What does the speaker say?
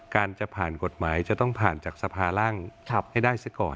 การจะผ่านกฎหมายจะต้องผ่านจากสภาร่างให้ได้ซะก่อน